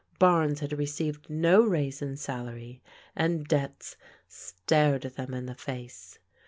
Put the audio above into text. Barnes had re ceived no raise in salary, and debts stared them in the face.